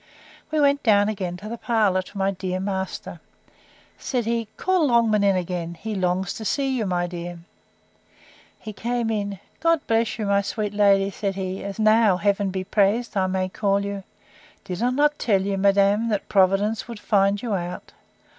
We went down again to the parlour, to my dear master. Said he, Call Longman in again; he longs to see you, my dear. He came in: God bless you, my sweet lady, said he; as now, Heaven be praised, I may call you! Did I not tell you, madam, that Providence would find you out?